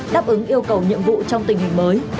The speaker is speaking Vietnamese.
đáp ứng yêu cầu nhiệm vụ trong tình hình mới